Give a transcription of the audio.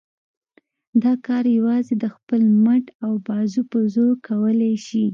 دا کار یوازې د خپل مټ او بازو په زور کولای شي.